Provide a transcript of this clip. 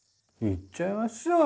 行っちゃいましょう。